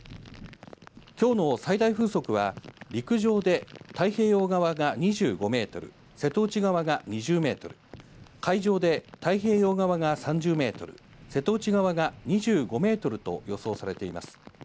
きょうの最大風速は、陸上で太平洋側が２５メートル、瀬戸内側が２０メートル、海上で太平洋側が３０メートル、瀬戸内側が２５メートルと予想されています。